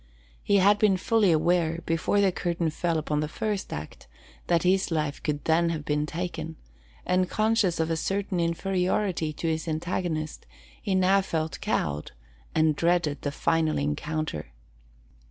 He had been fully aware, before the curtain fell upon the first act, that his life could then have been taken; and, conscious of a certain inferiority to his antagonist, he now felt cowed, and dreaded the final encounter.